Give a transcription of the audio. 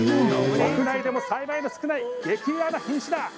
国内でも栽培の少ない激レアな品種だ！